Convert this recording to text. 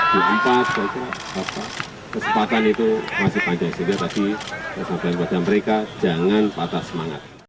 kesempatan itu masih panjang sehingga tadi kesempatan pada mereka jangan patah semangat